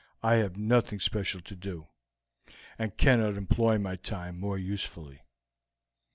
I have nothing special to do, and cannot employ my time more usefully."